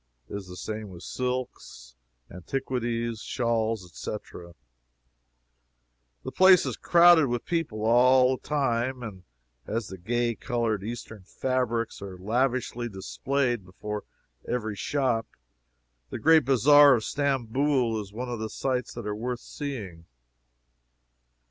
It is the same with silks, antiquities, shawls, etc. The place is crowded with people all the time, and as the gay colored Eastern fabrics are lavishly displayed before every shop, the great Bazaar of Stamboul is one of the sights that are worth seeing.